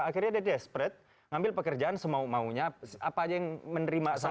akhirnya dia desperate ngambil pekerjaan semau maunya apa aja yang menerima saya